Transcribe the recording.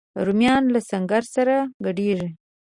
رومیان له سنګره سره ګډیږي